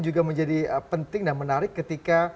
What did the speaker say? juga menjadi penting dan menarik ketika